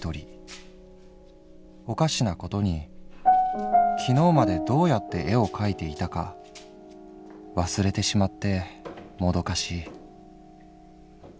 おかしなことに昨日までどうやって絵を描いていたか忘れてしまってもどかしい」。